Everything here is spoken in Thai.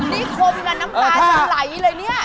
นี่คมอยู่แล้วน้ำตาชมไหลเลยเนี่ย